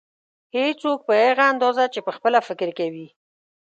هېڅوک په هغه اندازه چې پخپله فکر کوي.